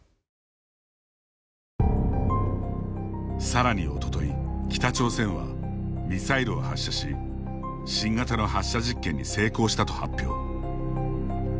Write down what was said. さらに、おととい北朝鮮はミサイルを発射し新型の発射実験に成功したと発表。